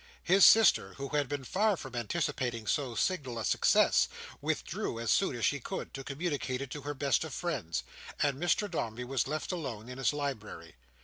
His sister, who had been far from anticipating so signal a success, withdrew as soon as she could, to communicate it to her best of friends; and Mr Dombey was left alone in his library.